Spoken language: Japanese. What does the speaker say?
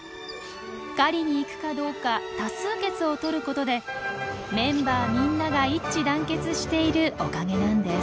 狩りに行くかどうか多数決をとることでメンバーみんなが一致団結しているおかげなんです。